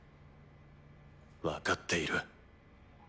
分かっている。